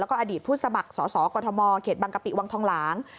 แล้วก็อดีตผู้สมัครสอสอกฎธมเขตบังกะปิวังทองหลาง